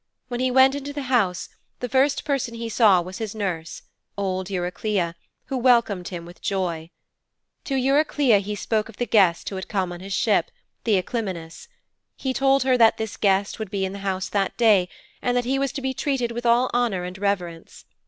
When he went into the house, the first person he saw was his nurse, old Eurycleia, who welcomed him with joy. To Eurycleia he spoke of the guest who had come on his ship, Theoclymenus. He told her that this guest would be in the house that day, and that he was to be treated with all honour and reverence.